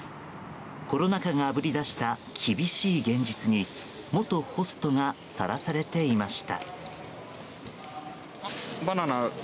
コロナ禍があぶりだした厳しい現実に元ホストがさらされていました。